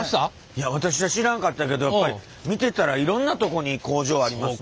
いや私は知らんかったけどやっぱり見てたらいろんなとこに工場ありますね。